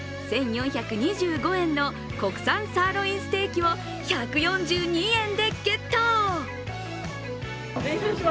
１４２５円の国産サーリオンステーキを１４２円でゲット！